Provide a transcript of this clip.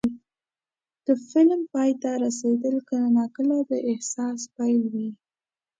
د فلم پای ته رسېدل کله ناکله د احساس پیل وي.